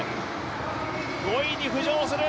５位に浮上する